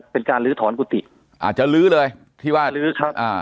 ลื้อถอนกุฏิอาจจะลื้อเลยที่ว่าลื้อครับอ่า